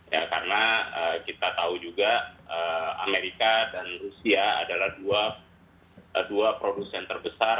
ya karena kita tahu juga amerika dan rusia adalah dua produsen terbesar